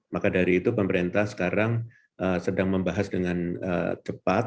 maka dari itu pemerintah sekarang sedang membahas dengan cepat